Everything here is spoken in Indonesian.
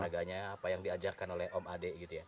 tenaganya apa yang diajarkan oleh om ade gitu ya